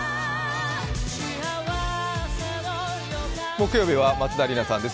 木曜日は松田里奈さんです。